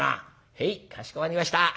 「へいかしこまりました。